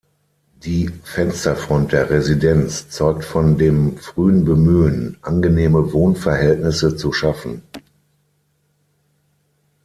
Die Fensterfront der Residenz zeugt von dem frühen Bemühen, angenehme Wohnverhältnisse zu schaffen.